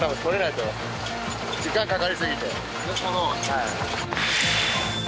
はい。